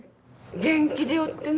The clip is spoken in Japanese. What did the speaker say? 元気でおってね。